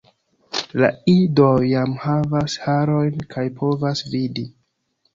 La idoj jam havas harojn kaj povas vidi.